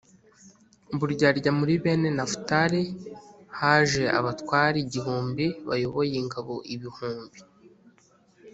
Uburyarya muri bene nafutali haje abatware igihumbi bayoboye ingabo ibihumbi